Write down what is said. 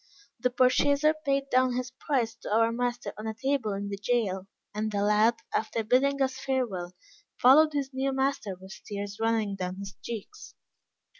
The purchaser paid down his price to our master on a table in the jail, and the lad, after bidding us farewell, followed his new master with tears running down his cheeks.